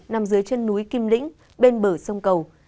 nằm dưới chân núi kim lĩnh bên bờ sông cầu